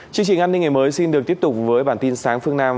chương trình an ninh ngày mới xin được tiếp tục với bản tin sáng phương nam